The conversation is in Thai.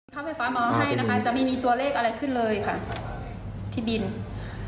ข้ามไฟฟ้ามาให้นะคะจะมีมีตัวเลขอะไรขึ้นเลยค่ะ